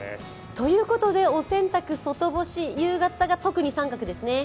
ということで、お洗濯、外干し、夕方が特に△ですね。